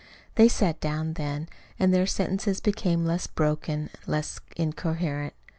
They sat down then, and their sentences became less broken, less incoherent.